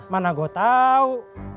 mana gua tau